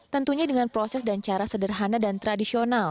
tentunya dengan proses dan cara sederhana dan tradisional